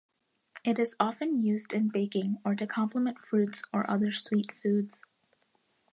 It is often used in baking, or to complement fruits or other sweet foods.